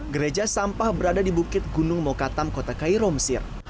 gereja sampah berada di bukit gunung mokatam kota cairo mesir